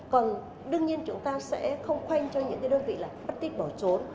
còn đương nhiên chúng ta sẽ không khoay cho những cái đơn vị là bất tích bỏ trốn